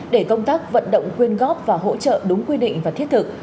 để công tác vận động quyên góp và hỗ trợ đúng quy định và thiết thực